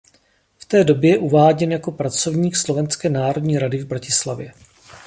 V té době je uváděn jako pracovník Slovenské národní rady v Bratislavě.